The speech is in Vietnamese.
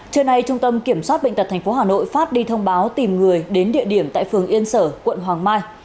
trưa nay trung tâm kiểm soát bệnh tật tp hà nội phát đi thông báo tìm người đến địa điểm tại phường yên sở quận hoàng mai